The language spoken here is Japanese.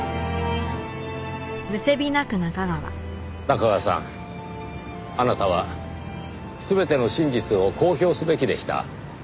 中川さんあなたは全ての真実を公表すべきでした。